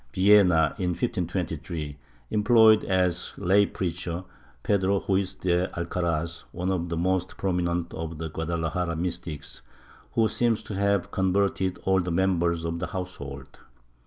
Villena, in 1523, employed as lay preacher Pedro Ruiz de Alcaraz, one of the most prominent of the Guadalajara mystics, who seems to have con verted all the members of the household.